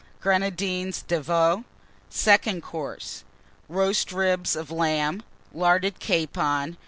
Grenadines de Veau. Second Course. Roast Ribs of Lamb. Larded Capon.